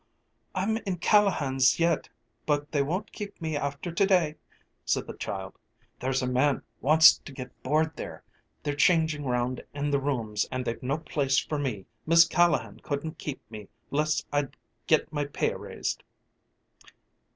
"I'm in Callahan's yet, but they won't keep me after to day," said the child. "There's a man wants to get board there, they're changing round in the rooms and they've no place for me. Mis' Callahan couldn't keep me 'less I'd get my pay raised."